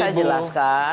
perlu saya jelaskan